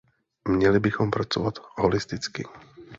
Měli bychom pracovat holisticky.